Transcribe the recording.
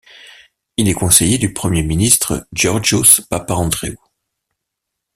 Il est conseiller du Premier ministre Geórgios Papandréou.